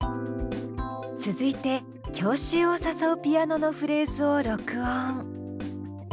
続いて郷愁を誘うピアノのフレーズを録音。